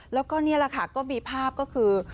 แล้วก็นี่แหละค่ะก็มีภาพก็คือ